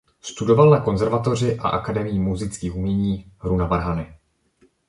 Studoval na konzervatoři a Akademii múzických umění hru na varhany.